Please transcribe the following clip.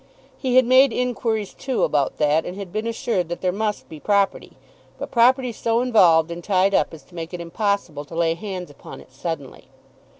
He had made inquiries too about that, and had been assured that there must be property, but property so involved and tied up as to make it impossible to lay hands upon it suddenly.